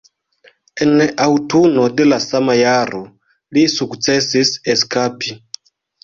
En aŭtuno de la sama jaro, li sukcesis eskapi.